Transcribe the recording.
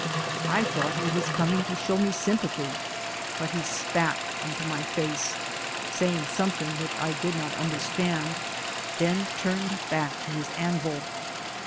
I thought he was coming to show me sympathy, but he spat into my face, saying something which I did not understand, then turned back to his anvil.